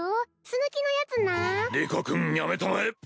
酢抜きのやつなリコ君やめたまえ！